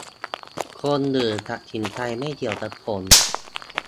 คนอื่นตัดสินใจ ไม่เกี่ยวกับผม